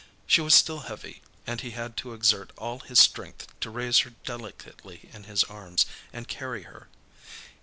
She was still heavy, and he had to exert all his strength to raise her delicately in his arms, and carry her.